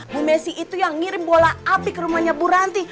bu messi itu yang ngirim bola api ke rumahnya bu ranti